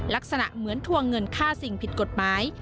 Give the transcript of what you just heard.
ลักษณะเหมือนทวงเงินค่าสิ่งผิดกฎหมาย